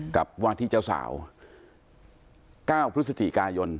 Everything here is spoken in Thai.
กับวาที่เจ้าสาวเก้าพฤษจิกายล